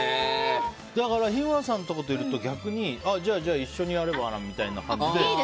だから日村さんといると逆に、じゃあ一緒にやればみたいな感じで。